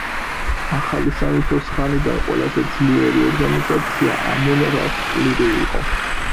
ახალი სამეფოს ხანიდან ყველაზე ძლიერი ორგანიზაცია ამონ-რას კლირი იყო.